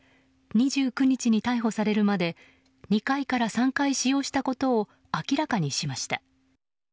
２９日に逮捕されるまで２回から３回使用したことを明らかにしました。